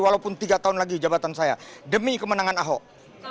walaupun tiga tahun lagi jabatan saya demi kemenangan ahok